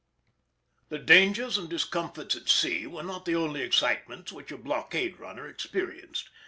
The dangers and discomforts at sea were not the only excitements which a blockade runner experienced.